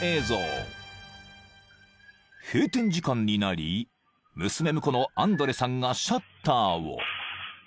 ［閉店時間になり娘婿のアンドレさんがシャッターを］